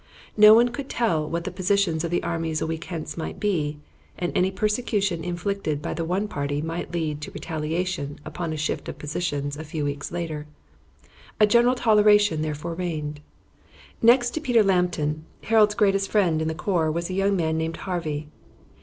None could tell what the positions of the armies a week hence might be, and any persecution inflicted by the one party might lead to retaliation upon a shift of positions a few weeks later. A general toleration therefore reigned. Next to Peter Lambton, Harold's greatest friend in the corps was a young man named Harvey.